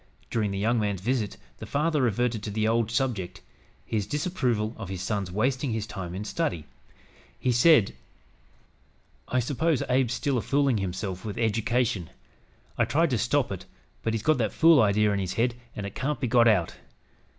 During the young man's visit, the father reverted to the old subject, his disapproval of his son's wasting his time in study. He said: "I s'pose Abe's still a foolin' hisself with eddication. I tried to stop it, but he's got that fool idee in his head an' it can't be got out.